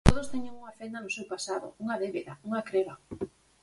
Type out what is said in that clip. Todos teñen unha fenda no seu pasado, unha débeda, unha creba.